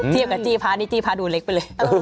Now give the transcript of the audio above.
เทียบกับจี้พระนี่จี้พระดูเล็กไปเลย